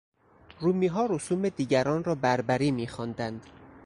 رومیها رسوم دیگران را بربری میخواندند.